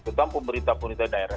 ketua pemerintah pemerintah daerah